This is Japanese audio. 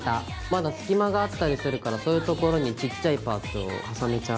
まだ隙間があったりするからそういうところにちっちゃいパーツを重ねちゃう。